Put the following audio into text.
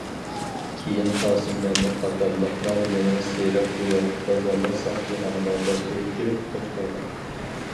كېيىن قاسىم مەمەت قاتارلىقلار يەنە سېرىقبۇيا بازارلىق ساقچىخانىغا باستۇرۇپ كىرىپ ئوت قويغان.